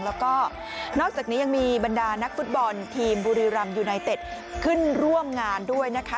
แล้วก็นอกจากนี้ยังมีบรรดานักฟุตบอลทีมบุรีรำยูไนเต็ดขึ้นร่วมงานด้วยนะคะ